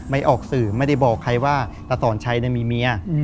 ออกสื่อไม่ได้บอกใครว่าตาสอนชัยมีเมีย